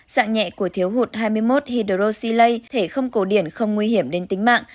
dạng nhẹ của thiếu hụt hai mươi một hidroxylase thể không cố điển không nguy hiểm đến tính mạng